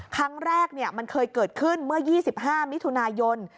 ครั้งแรกมันเคยเกิดขึ้นเมื่อ๒๕มิถุนายน